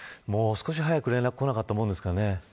もう少し早く連絡来なかったものですかね。